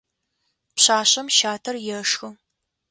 Пшъашъэм щатэр ешхы.